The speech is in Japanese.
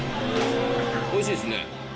おいしいですね。